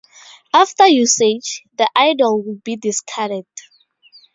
After usage, the idol would be discarded.